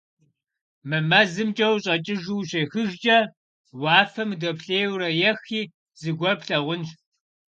Мы мэзымкӀэ ущӀэкӀыжу ущехыжкӀэ, уафэм удэплъейуэрэ ехи, зыгуэр плъагъунщ.